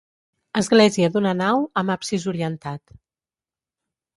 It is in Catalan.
Església d'una nau amb absis orientat.